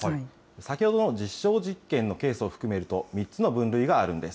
先ほどの実証実験のケースを含めると３つの分類があるんです。